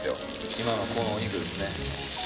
今のこのお肉ですね。